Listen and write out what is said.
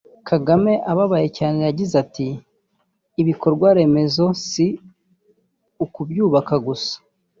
Kagame ababaye cyane yagize ati “Ibikorwa remezo si ukubyubaka gusa